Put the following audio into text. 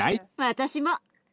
私も。